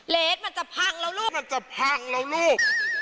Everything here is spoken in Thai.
เลสมันจะพังแล้วลูก